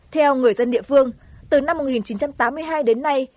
theo người dân địa phương từ năm một nghìn chín trăm tám mươi hai đến nay